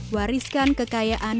wariskan kekayaan nusantara